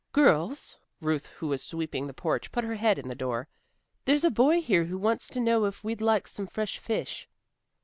"Girls," Ruth, who was sweeping the porch, put her head in the door, "there's a boy here who wants to know if we'd like some fresh fish."